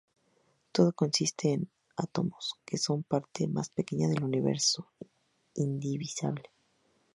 Todo consiste en átomos, que son la parte más pequeña del universo, indivisible.